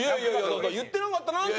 言ってなかったなって。